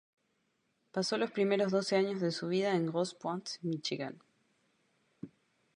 Pasó los primeros doce años de su vida en Grosse Pointe, Míchigan.